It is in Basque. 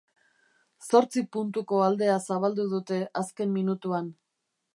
Zortzi puntuko aldea zabaldu dute azken minutuan.